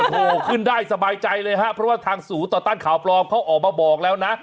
โทรขึ้นได้สบายใจเลยครับเพราะว่าทางสูตรตั้นข่าวปลอบเขาออกมาบอกแล้วนะ